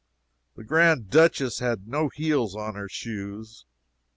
The Grand Duchess had no heels on her shoes.